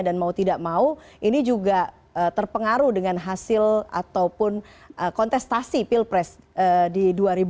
dan mau tidak mau ini juga terpengaruh dengan hasil ataupun kontestasi pilpres di dua ribu sembilan belas